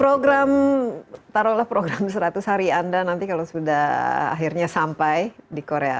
program taruhlah program seratus hari anda nanti kalau sudah akhirnya sampai di korea